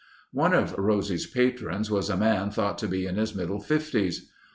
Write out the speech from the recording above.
One of Rosie's patrons was a man thought to be in his middle fifties.